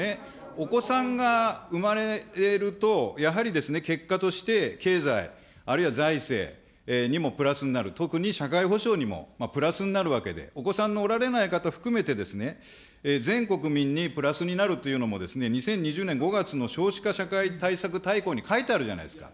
お子さんが産まれると、やはりですね、結果として経済、あるいは財政にもプラスになる、特に社会保障にもプラスになるわけで、お子さんのおられない方含めて、全国民にプラスになるというのも、２０２０年５月の少子化社会対策大綱に書いてあるじゃないですか。